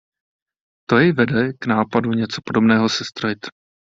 To jej vede k nápadu něco podobného sestrojit.